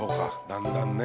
だんだんね。